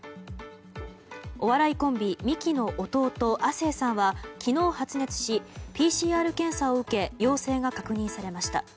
お笑いコンビ、ミキの弟・亜生さんは昨日、発熱しＰＣＲ検査を受け陽性が確認されました。